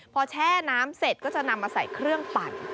พอแช่น้ำเสร็จก็จะนำมาใส่เครื่องปั่น